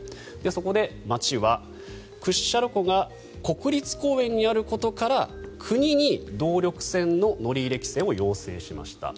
そこで町は屈斜路湖が国立公園にあることから国に動力船の乗り入れ規制を要請しました。